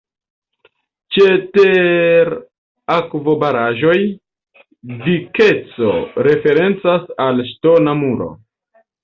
Ĉe ter-akvobaraĵoj, dikeco referencas al la ŝtona muro.